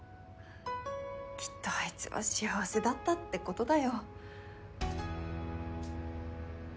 きっとあいつは幸せだったってことだよ。